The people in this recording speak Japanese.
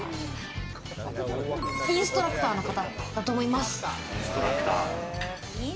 インストラクターの方だと思います。